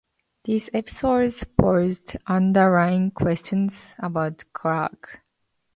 These episodes posed underlying questions about Clark.